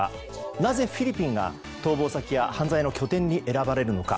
なぜフィリピンが逃亡先や犯罪の拠点に選ばれるのか。